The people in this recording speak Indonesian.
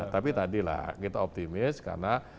tapi tadi lah kita optimis karena